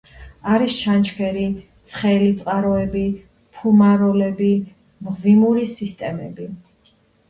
არის ჩანჩქერები, ცხელი წყაროები, ფუმაროლები, მღვიმური სისტემები.